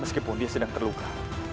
meskipun dia sedang terluka